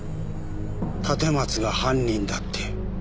立松が犯人だって。